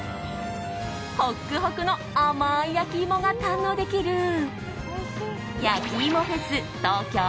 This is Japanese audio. ホックホクの甘い焼き芋が堪能できるやきいもフェス